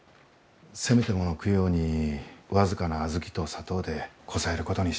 せめてもの供養に僅かな小豆と砂糖でこさえることにしたんです。